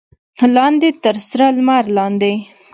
لاندې تر سره لمر لاندې.